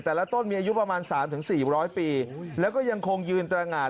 ต้นมีอายุประมาณ๓๔๐๐ปีแล้วก็ยังคงยืนตรงาน